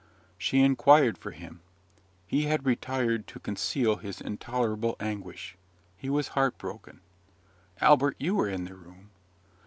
She inquired for him. He had retired to conceal his intolerable anguish, he was heartbroken, 'Albert, you were in the room.'